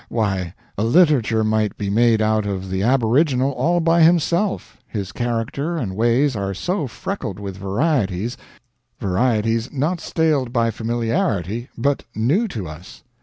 Why, a literature might be made out of the aboriginal all by himself, his character and ways are so freckled with varieties varieties not staled by familiarity, but new to us.